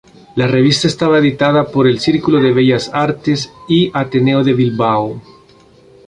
La revista estaba editada por el Círculo de Bellas Artes y Ateneo de Bilbao.